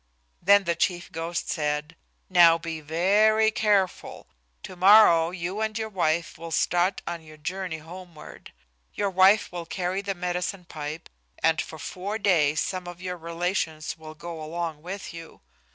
Then the chief ghost said, "Now be very careful; to morrow you and your wife will start on your journey homeward. Your wife will carry the medicine pipe and for four days some of your relations will go along with you.